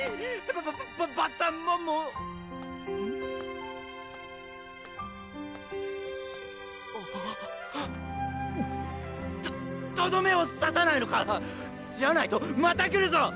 ババッタモンモうん？ととどめをささないのか⁉じゃないとまた来るぞ！